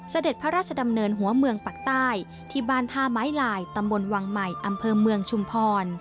เสด็จพระราชดำเนินหัวเมืองปักใต้ที่บ้านท่าไม้ลายตำบลวังใหม่อำเภอเมืองชุมพร